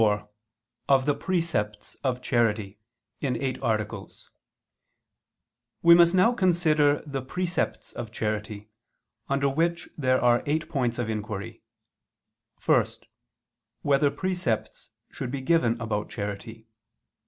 _______________________ QUESTION 44 OF THE PRECEPTS OF CHARITY (In Eight Articles) We must now consider the Precepts of Charity, under which there are eight points of inquiry: (1) Whether precepts should be given about charity?